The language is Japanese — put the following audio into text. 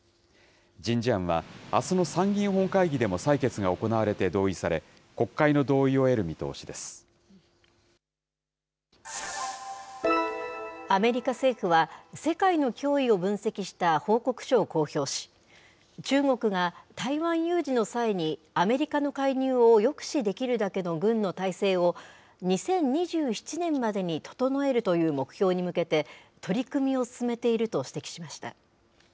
人事案は、あすの参議院本会議でも採決が行われて同意され、国会アメリカ政府は、世界の脅威を分析した報告書を公表し、中国が台湾有事の際にアメリカの介入を抑止できるだけの軍の態勢を、２０２７年までに整えるという目標に向けて、取り組みを進めていると指摘しました。